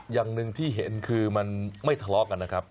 อย่างหนึ่งที่เห็นคือมันไม่ทะเลาะกันนะครับ